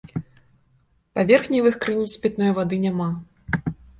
Паверхневых крыніц пітной вады няма.